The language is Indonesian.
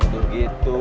gak boleh gitu